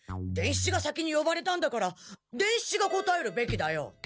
伝七が先に呼ばれたんだから伝七が答えるべきだよ。